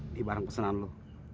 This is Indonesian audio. ini barang pesanan lo